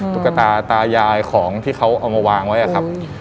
ตุ๊กตาตายายของที่เขาเอามาวางไว้อะครับ